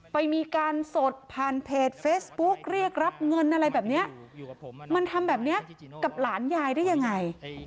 มีการสดผ่านเพจเฟซบุ๊กเรียกรับเงินอะไรแบบนี้มันทำแบบนี้กับหลานยายได้ยังไง